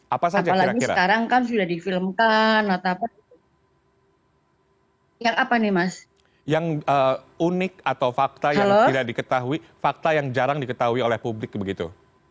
apa sih sebenarnya yang diketahui fakta yang jarang diketahui oleh publik begitu